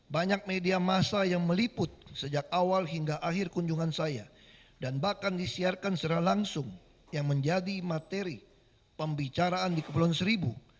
banyak media masa yang meliput sejak awal hingga akhir kunjungan saya dan bahkan disiarkan secara langsung yang menjadi materi pembicaraan di kepulauan seribu